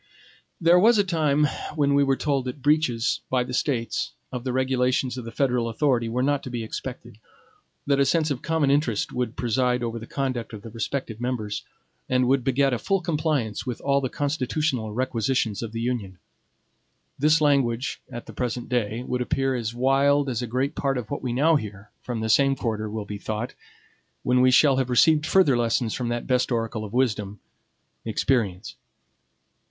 There was a time when we were told that breaches, by the States, of the regulations of the federal authority were not to be expected; that a sense of common interest would preside over the conduct of the respective members, and would beget a full compliance with all the constitutional requisitions of the Union. This language, at the present day, would appear as wild as a great part of what we now hear from the same quarter will be thought, when we shall have received further lessons from that best oracle of wisdom, experience.